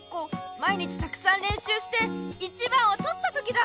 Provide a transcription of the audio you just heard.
毎日たくさんれんしゅうして１番をとった時だ！